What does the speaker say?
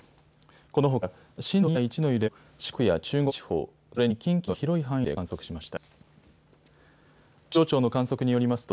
このほか震度２や１の揺れを四国や中国地方、それに近畿の広い範囲で観測しました。